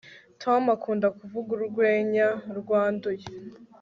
tom akunda kuvuga urwenya rwanduye